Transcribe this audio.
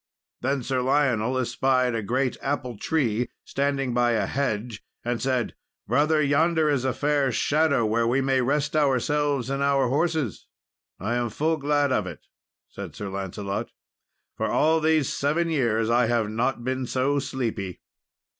Then Sir Lionel espied a great apple tree standing by a hedge, and said, "Brother, yonder is a fair shadow where we may rest ourselves and horses." "I am full glad of it," said Sir Lancelot, "for all these seven years I have not been so sleepy."